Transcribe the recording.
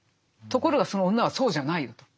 ところがその女はそうじゃないよと。